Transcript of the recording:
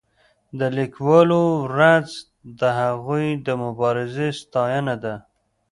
د لیکوالو ورځ د هغوی د مبارزې ستاینه ده.